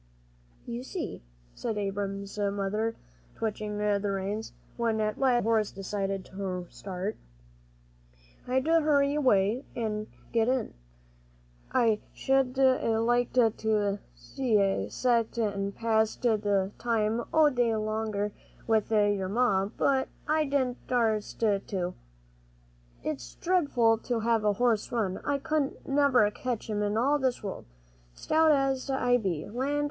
"You see," said Abram's mother, twitching the reins, when at last the old horse decided to start, "I had to hurry away an' get in. I sh'd a liked to a' set an' passed the time o' day longer with your Ma, but I didn't darst to. It's dretful to have a horse run. I couldn't never a catched him in all this world, stout as I be. Land!